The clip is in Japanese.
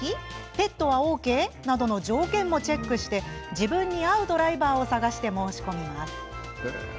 ペットはＯＫ？などの条件もチェックして自分に合うドライバーを探して申し込みます。